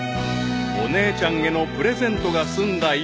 ［お姉ちゃんへのプレゼントが済んだ